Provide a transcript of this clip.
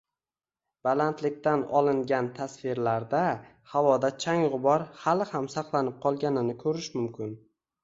Balandlikdan olingan tasvirlarda havoda chang-g‘ubor hali ham saqlanib qolganini ko‘rish mumkin